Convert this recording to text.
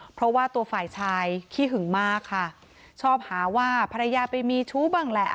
เพราะว่าตัวฝ่ายชายขี้หึงมากค่ะชอบหาว่าภรรยาไปมีชู้บ้างแหละ